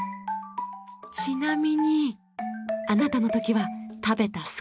ちなみにあなたの時は食べた